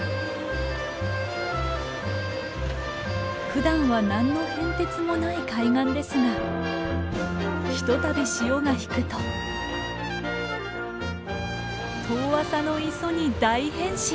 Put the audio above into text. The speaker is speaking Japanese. ふだんは何の変哲もない海岸ですがひとたび潮が引くと遠浅の磯に大変身！